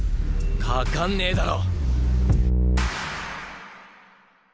かかんねぇだろ。